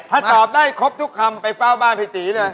ถ้าตอบได้ครบทุกคำไปเฝ้าบ้านพี่ตีเลย